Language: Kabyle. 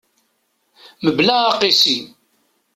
Mebla aqisi.